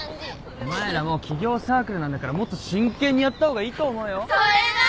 お前らも起業サークルなんだからもっと真剣にやった方がいいと思うよ。